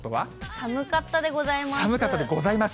寒かったでございます。